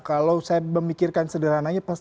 kalau saya memikirkan sederhananya